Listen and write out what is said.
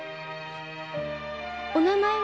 お名前は？